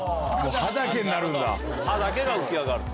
歯だけが浮き上がると。